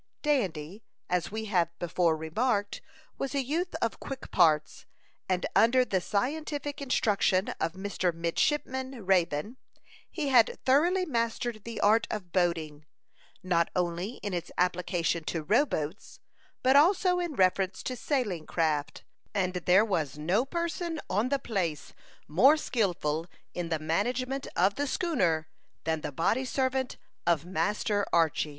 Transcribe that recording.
Dandy, as we have before remarked, was a youth of quick parts, and under the scientific instruction of Mr. Midshipman Raybone, he had thoroughly mastered the art of boating, not only in its application to row boats, but also in reference to sailing craft; and there was no person on the place more skilful in the management of the schooner than the body servant of Master Archy.